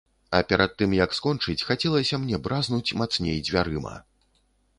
А перад тым як скончыць, хацелася мне бразнуць мацней дзвярыма.